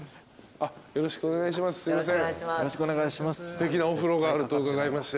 すてきなお風呂があると伺いまして。